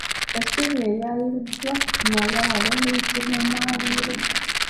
Essubi eryaliriddwa ku malaalo liyitibwa omwaliiro.